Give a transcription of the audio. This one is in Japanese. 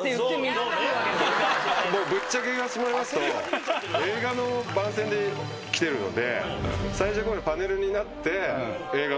ぶっちゃけ言わせてもらいますと映画の番宣で来てるので最弱王でパネルになって映画の宣伝をしたいなと。